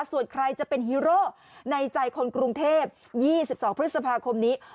ส่วนใครจะเป็นฮีโร่ในใจคนกรุงเทพ๒๒พฤษภาคมนี้